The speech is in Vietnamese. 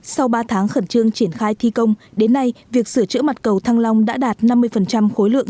sau ba tháng khẩn trương triển khai thi công đến nay việc sửa chữa mặt cầu thăng long đã đạt năm mươi khối lượng